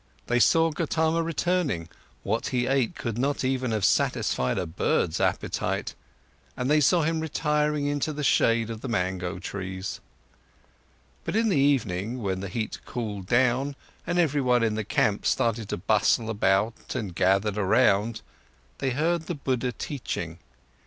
They saw Gotama returning—what he ate could not even have satisfied a bird's appetite, and they saw him retiring into the shade of the mango trees. But in the evening, when the heat cooled down and everyone in the camp started to bustle about and gathered around, they heard the Buddha teaching.